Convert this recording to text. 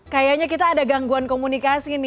kayanya kita ada gangguan komunikasi ya